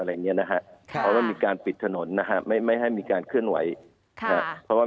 เพราะว่ามีการปิดถนนไม่ให้มีการเคลื่อนไหว